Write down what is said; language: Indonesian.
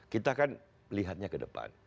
kita kan lihatnya ke depan